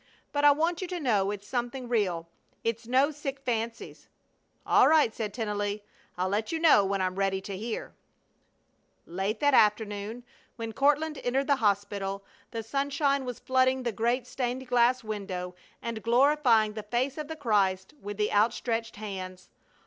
"But I want you to know it's something real. It's no sick fancies." "All right!" said Tennelly. "I'll let you know when I'm ready to hear." Late that afternoon, when Courtland entered the hospital, the sunshine was flooding the great stained glass window and glorifying the face of the Christ with the outstretched hands.